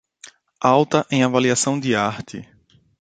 Alta em avaliação de arte